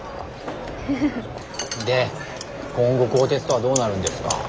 で今後高鐵とはどうなるんですか？